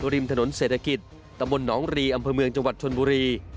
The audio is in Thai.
ริมถนนเศรษฐกิจตำบลหนองรีอำเภอเมืองจังหวัดชนบุรี